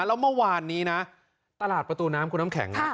แล้วเมื่อวานนี้นะตลาดประตูน้ำคุณน้ำแข็ง